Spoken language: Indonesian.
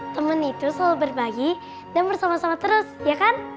temen itu selalu berbagi dan bersama sama terus ya kan